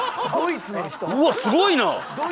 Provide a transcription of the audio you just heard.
うわすごいな！